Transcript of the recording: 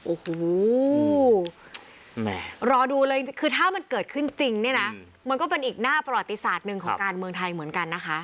โอ้โหรอดูเลยคือถ้ามันเกิดขึ้นจริงเนี่ยนะมันก็เป็นอีกหน้าประวัติศาสตร์หนึ่งของการเมืองไทยเหมือนกันนะคะ